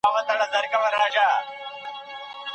دواړي جرګي څنګه همږغي کیږي؟